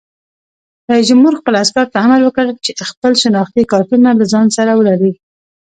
رئیس جمهور خپلو عسکرو ته امر وکړ؛ خپل شناختي کارتونه له ځان سره ولرئ!